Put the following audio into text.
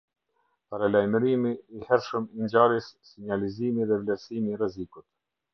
Paralajmërimi i hershëm i ngjarjes sinjalizimi dhe vlerësimi i rrezikut.